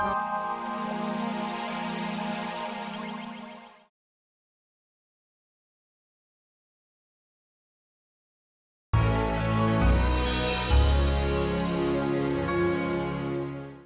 emang cucu gak suka bercanda